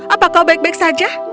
apa kau baik baik saja